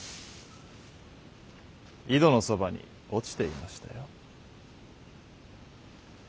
井戸のそばに落ちていましたよ。